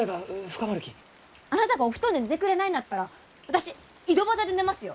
あなたがお布団で寝てくれないんだったら私井戸端で寝ますよ！